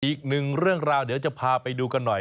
อีกหนึ่งเรื่องราวเดี๋ยวจะพาไปดูกันหน่อย